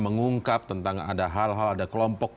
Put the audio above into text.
mengungkap tentang ada hal hal ada kelompok